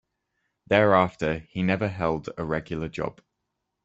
Thereafter, he never held a regular job.